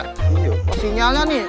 oh sinyalnya nih